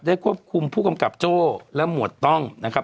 ควบคุมผู้กำกับโจ้และหมวดต้องนะครับ